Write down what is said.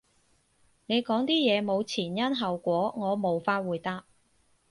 你講啲嘢冇前因後果，我無法回答